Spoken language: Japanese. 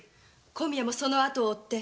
小宮もその後を追って！